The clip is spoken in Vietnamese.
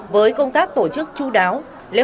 với công tác tổ chức chú đáo